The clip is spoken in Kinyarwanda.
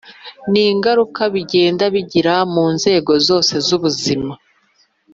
n'ingaruka bigenda bigira mu nzego zose z'ubuzima.